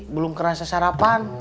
belum kerasa sarapan